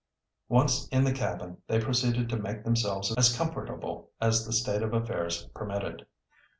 Once in the cabin they proceeded to make themselves as comfortable as the state of affairs permitted.